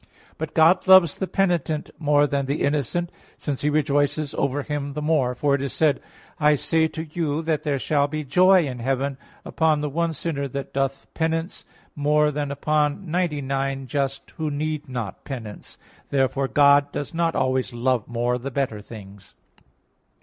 But God loves the penitent more than the innocent; since He rejoices over him the more. For it is said: "I say to you that there shall be joy in heaven upon the one sinner that doth penance, more than upon ninety nine just who need not penance" (Luke 15:7). Therefore God does not always love more the better things.